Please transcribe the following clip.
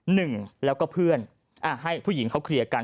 หนึ่งแล้วก็เพื่อนให้ผู้หญิงเขาเคลียร์กัน